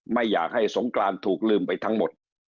ไม่อยากให้สงกรานถูกลืมไปทั้งหมด